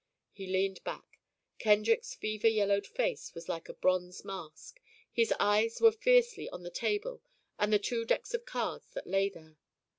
He leaned back. Kendrick's fever yellowed face was like a bronze mask. His eyes were fiercely on the table and the two decks of cards that lay there.